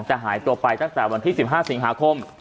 หายตัวไปตั้งแต่วันที่๑๕สิงหาคม